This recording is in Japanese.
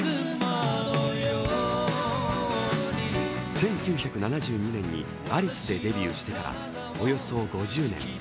１９７２年にアリスでデビューしてからおよそ５０年。